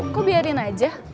kok biarin aja